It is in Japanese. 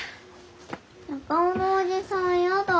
中尾のおじさん嫌だ。